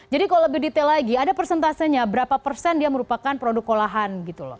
jadi kalau lebih detail lagi ada persentasenya berapa persen dia merupakan produk olahan